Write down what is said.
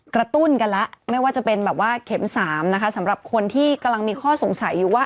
กระตุ้นกันแล้วไม่ว่าจะเป็นแบบว่าเข็ม๓นะคะสำหรับคนที่กำลังมีข้อสงสัยอยู่ว่า